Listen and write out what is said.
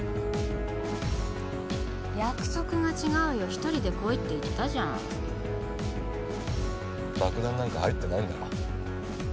約束が違うよ一人で来いって言ったじゃん爆弾なんか入ってないんだろ？